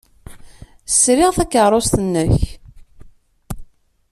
Sriɣ takeṛṛust-nnek.